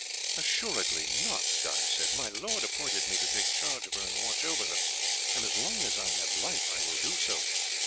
"Assuredly not!" Guy said. "My lord appointed me to take charge of her and watch over her, and as long as I have life I will do so."